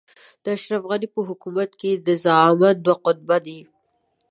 د اشرف غني په حکومت کې د زعامت دوه قطبه دي.